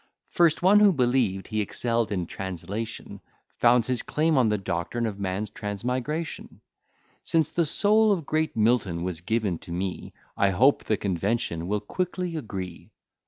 First, one who believed he excell'd in translation, Founds his claim on the doctrine of man's transmigration: "Since the soul of great Milton was given to me, I hope the convention will quickly agree."